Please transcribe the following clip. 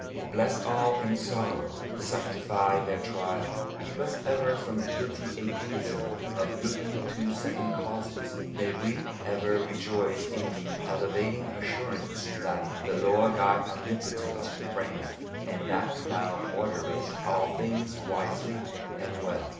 Bless all in sorrow. Sanctify their trials. Keep us ever from the guilty atheism of looking to second causes. May we ever rejoice in the elevating assurance that "the Lord God Omnipotent reigneth," and that Thou orderest all things wisely and well.